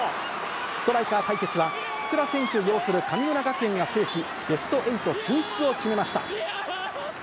ストライカー対決は、福田選手擁する神村学園が制し、ベスト８進出を決めました。